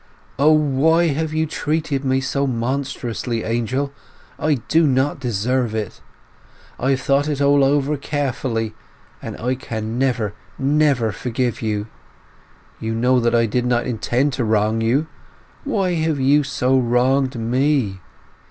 O why have you treated me so monstrously, Angel! I do not deserve it. I have thought it all over carefully, and I can never, never forgive you! You know that I did not intend to wrong you—why have you so wronged me?